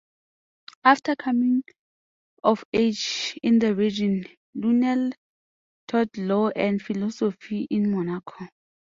After coming of age in the region, Lunel taught law and philosophy in Monaco.